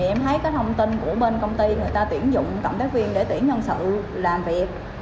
em thấy thông tin của bên công ty người ta tuyển dụng tổng tác viên để tuyển nhân sự làm việc